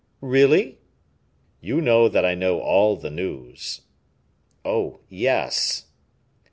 "Really?" "You know that I know all the news?" "Oh, yes!"